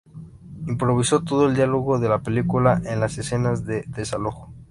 Improvisó todo el diálogo de la película en las escenas de desalojo.